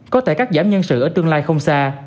có thể cắt giảm nhân sự ở tương lai không xa